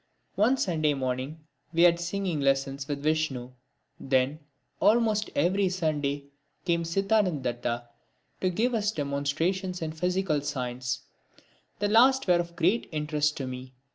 On Sunday morning we had singing lessons with Vishnu. Then, almost every Sunday, came Sitanath Dutta to give us demonstrations in physical science. The last were of great interest to me.